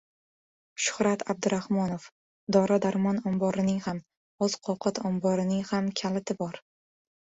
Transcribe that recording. Shuhrat Abdurahmonov: «Dori-darmon omborining ham, oziq-ovqat omborining ham kaliti bor»